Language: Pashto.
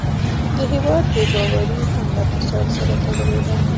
د هېواد بې باوري هم له فساد سره تړلې ده.